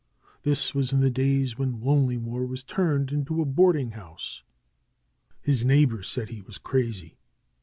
This was in the days when Lonelymoor was turned into a boarding house. His neighbors said he was crazy.